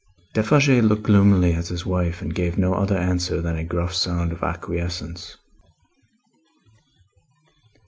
Defarge looked gloomily at his wife, and gave no other answer than a gruff sound of acquiescence.